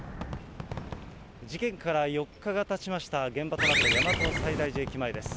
事件から４日がたちました、現場となった大和西大寺駅前です。